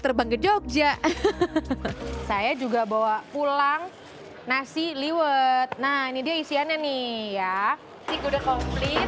terbang ke jogja saya juga bawa pulang nasi liwet nah ini dia isiannya nih ya si kuda komplit